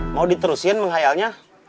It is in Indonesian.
mau diterusin menghayalnya